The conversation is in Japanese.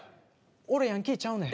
俺ヤンキーちゃうねん。